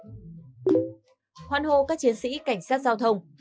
hoan hô các chiến sĩ cảnh sát giao thông